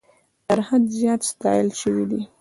تر حد زیات ستایل سوي دي.